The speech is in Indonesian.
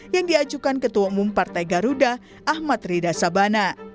yang diajukan ketua umum partai garuda ahmad rida sabana